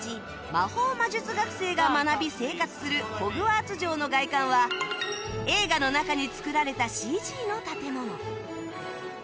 魔法魔術学生が学び生活するホグワーツ城の外観は映画の中に作られた ＣＧ の建物